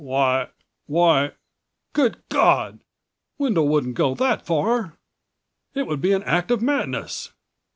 "Why ... why ... Good God! Wendel wouldn't go that far! It would be an act of madness!"